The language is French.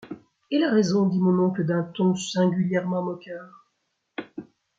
Et la raison ? dit mon oncle d’un ton singulièrement moqueur.